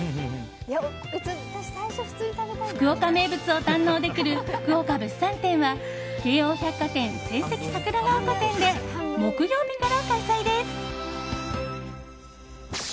福岡名物を堪能できる福岡物産展は京王百貨店聖蹟桜ヶ丘店で木曜日から開催です。